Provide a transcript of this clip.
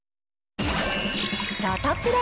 サタプラ。